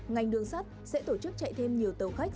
ngành đường sắt sẽ tổ chức chạy thêm nhiều tàu khách